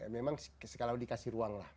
memang sekarang dikasih ruang lah